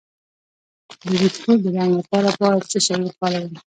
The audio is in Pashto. د ویښتو د رنګ لپاره باید څه شی وکاروم؟